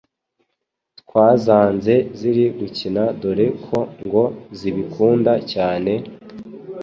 twazanze ziri gukina dore ko ngo zibikunda cyane,